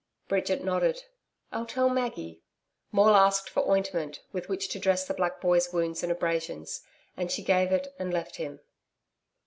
Bridget nodded. 'I'll tell Maggie.' Maule asked for ointment with which to dress the black boy's wounds and abrasions, and she gave it and left him.